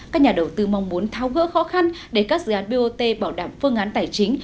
các nhà đầu tư mong muốn thao gỡ khó khăn để các dự án bot bảo đảm phương án tài chính